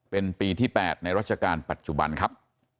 เป็นปีที่๘ในรัชกาลปัจจุบันครับ